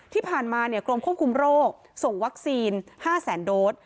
ที่ผ่านมากรมควบคุมโรคส่งวัคซีน๕แสนโดส